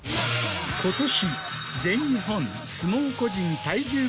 今年。